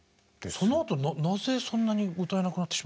そのあとなぜそんなに歌えなくなってしまうんですか？